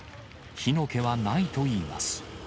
火の気はないといいます。